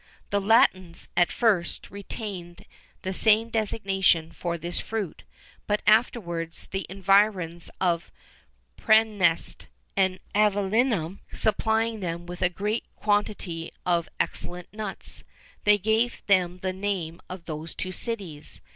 [XIV 26] The Latins, at first, retained the same designation for this fruit, but afterwards, the environs of Præneste and Avellinum supplying them with a great quantity of excellent nuts, they gave them the name of those two cities.